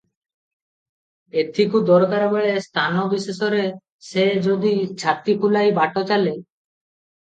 ଏଥିକୁ ଦରକାର ବେଳେ ସ୍ଥାନ ବିଶେଷରେ ସେ ଯଦି ଛାତି ଫୁଲାଇ ବାଟ ଚାଲେ